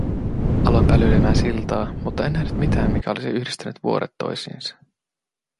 Aloin pälyilemään siltaa, mutta en nähnyt mitään, mikä olisi yhdistänyt vuoret toisiinsa.